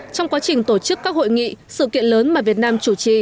trong quá trình tổ chức các hội nghị sự kiện lớn mà việt nam chủ trì